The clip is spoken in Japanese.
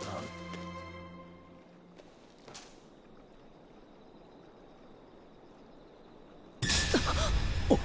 あっ！